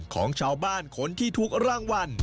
ของชาวบ้านคนที่ถูกรางวัล